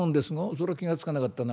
「そら気が付かなかったな。